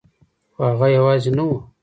خو هغه یوازې نه وه